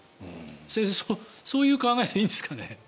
先生、そういう考えでいいんですかね？